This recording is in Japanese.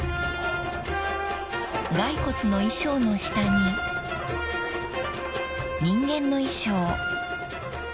［骸骨の衣装の下に人間の衣装